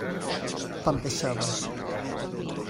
Panteixava.